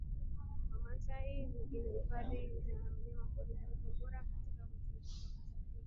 Wamasai ina Hifadhi za Wanyamapori zilizo bora kabisa kote Afrika Masharikikumi na sita